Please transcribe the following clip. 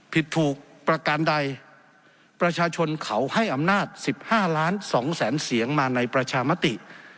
ผิดถูกประการใดประชาชนเขาให้อำนาจ๑๕ล้าน๒แสนเสียงมาในประชามติ